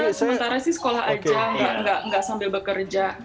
kita sementara sih sekolah aja enggak sambil bekerja